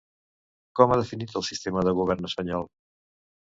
Com ha definit el sistema de govern espanyol?